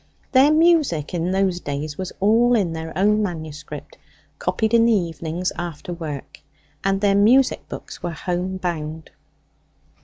Their music in those days was all in their own manuscript, copied in the evenings after work, and their music books were home bound.